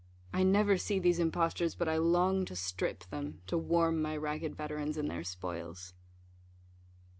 I never see these impostors, but I long to strip them, to warm my ragged veterans in their spoils.